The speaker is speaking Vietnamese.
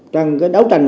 trong cái đấu tranh